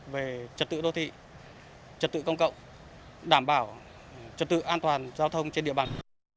về trật tự đô thị trật tự công cộng đảm bảo trật tự an toàn giao thông trên địa bàn